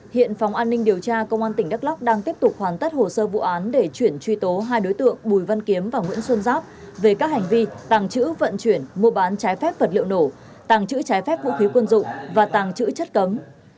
hiện phòng an ninh điều tra công an tỉnh đắk lóc đang tiếp tục hoàn tất hồ sơ vụ án để chuyển truy tố hai đối tượng bùi văn kiếm và nguyễn xuân giáp về các hành vi tàng trữ vận chuyển mua bán trái phép vật liệu nổ tàng trữ trái phép vũ khí quân dụng và tàng trữ chất cấm